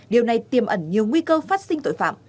điều này tiềm ẩn nhiều nguy cơ phát sinh tội phạm